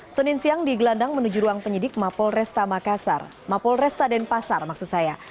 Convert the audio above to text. senin siang di gelandang menuju ruang penyidik mapolresta makassar mapolresta denpasar maksud saya